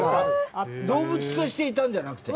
動物としていたんじゃなくて？